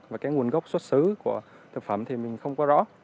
và cái nguồn gốc xuất xứ của thực phẩm thì mình không có rõ